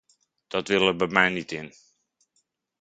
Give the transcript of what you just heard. Dat wil er bij mij niet in!